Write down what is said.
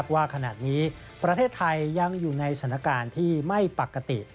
ว่าขณะนี้ประเทศไทยยังอยู่ในสถานการณ์ที่ไม่ปกติ